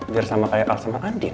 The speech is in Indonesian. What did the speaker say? biar sama kayak al sama kandin